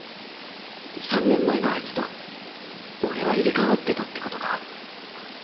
３年前のあいつと俺は入れ替わってたってことか？